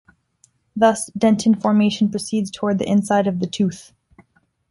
Thus, dentin formation proceeds toward the inside of the tooth.